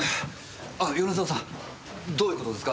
あ米沢さんどういう事ですか？